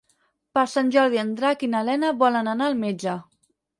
Per Sant Jordi en Drac i na Lena volen anar al metge.